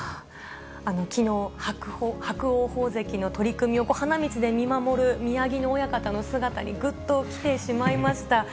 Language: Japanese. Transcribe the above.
きのう、伯桜鵬関の取組を花道で見守る宮城野親方の姿にぐっと来てしまいました。